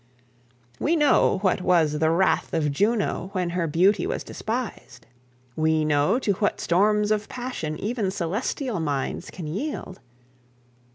We know what was the wrath of Juno when her beauty was despised. We know too what storms of passion even celestial minds can yield.